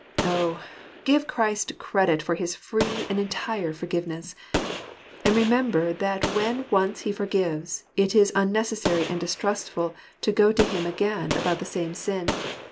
Oh, give Christ credit for his free and entire forgiveness ! And remember that when once He forgives, it is unnecessary and distrustful to go to Him again about the same sin.